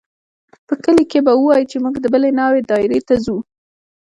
په کلي کښې به ووايو چې موږ د بلې ناوې دايرې ته ځو.